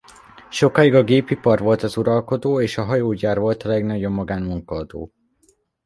Sokáig a gépipar volt az uralkodó és a hajógyár volt a legnagyobb magán munkaadó.